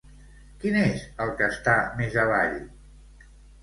Quin és el que està més avall?